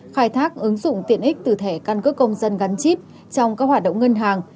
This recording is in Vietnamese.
khai thác ứng dụng tiện ích từ thẻ căn cước công dân gắn chip trong các hoạt động ngân hàng